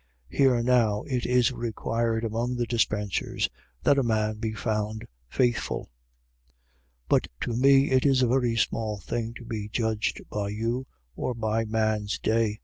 Here now it is required among the dispensers that a man be found faithful. 4:3. But to me it is a very small thing to be judged by you or by man's day.